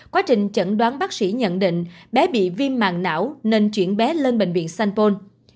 quá trình chẩn đoán bác sĩ nhận định bé bị viêm mạng não nên chuyển bé lên bệnh viện sanpon